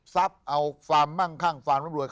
คิกคิกคิกคิกคิกคิกคิกคิก